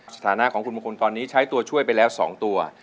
สถานะของคุณมงคลตอนนี้ใช้ตัวช่วยไปแล้ว๒ตัว